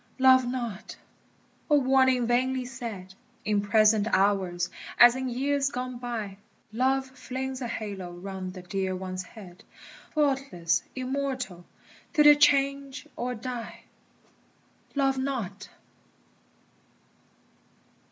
Love not! O warning vainly said In present hours as in years gone by! Love flings a halo round the dear one's head, Faultless, immortal, till they change or die. Love not!